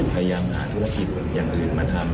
พยายามหาธุรกิจอย่างอื่นมาทำ